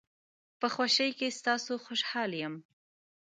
په خوشۍ کې ستاسو خوشحال یم.